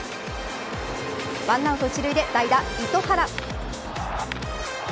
１アウト１塁で代打、糸原。